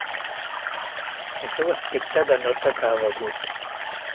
El seu aspecte denota que ha begut.